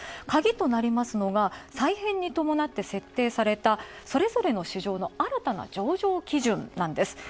鍵となりますのが再編にともなって設定されたそれぞれの市場の新たな上場基準なんです。